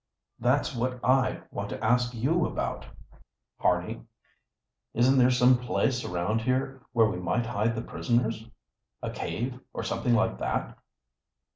"That's what I want to ask you about, Harney. Isn't there some place around here where we might hide the prisoners? A cave, or something like that?"